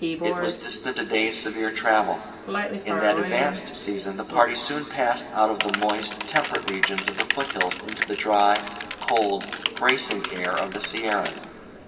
It was distant a day's severe travel. In that advanced season, the party soon passed out of the moist, temperate regions of the foothills into the dry, cold, bracing air of the Sierras.